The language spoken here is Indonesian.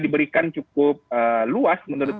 diberikan cukup luas menurut